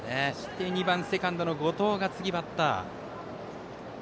２番、セカンドの後藤が次のバッター。